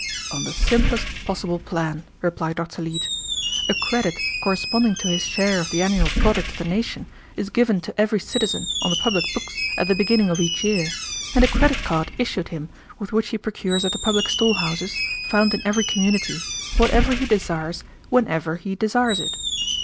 "On the simplest possible plan," replied Dr. Leete. "A credit corresponding to his share of the annual product of the nation is given to every citizen on the public books at the beginning of each year, and a credit card issued him with which he procures at the public storehouses, found in every community, whatever he desires whenever he desires it.